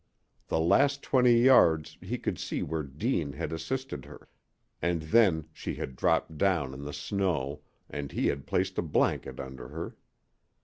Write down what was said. The last twenty yards he could see where Deane had assisted her; and then she had dropped down in the snow, and he had placed a blanket under her.